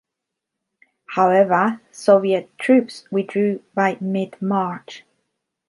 However, Soviet troops withdrew by mid-March.